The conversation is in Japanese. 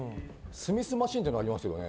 スミスマシンっていうのありましたけどね。